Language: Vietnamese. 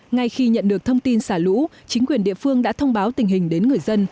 ngay khi nhận được thông tin xả lũ chính quyền địa phương đã thông báo tình hình đến người dân